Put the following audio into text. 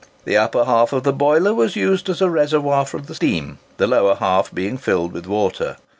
The upper half of the boiler was used as a reservoir for the steam, the lower half being filled with water.